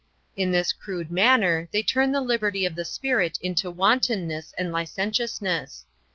In this crude manner they turn the liberty of the spirit into wantonness and licentiousness.